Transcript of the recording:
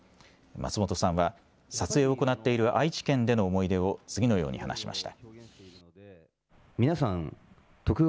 松本さんは撮影を行っている愛知県での思い出を次のように話しました。